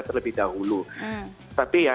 terlebih dahulu tapi ya